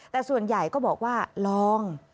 แต่ส่วนใหญ่ก็บอกว่าลอง